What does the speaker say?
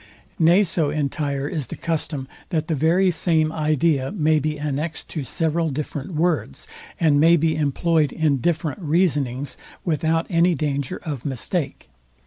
Nay so entire is the custom, that the very same idea may be annext to several different words, and may be employed in different reasonings, without any danger of mistake.